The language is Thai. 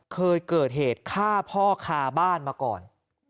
เคยเกิดเหตุฆ่าพ่อคาบ้านมาก่อน